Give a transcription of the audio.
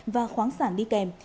và khoáng sản đi kèm